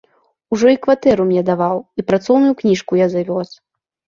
Ужо і кватэру мне даваў, і працоўную кніжку я завёз.